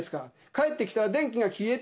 「帰って来たら電気が消えていた」って。